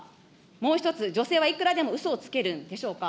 もう１つ、女性はいくらでもうそをつけるんでしょうか。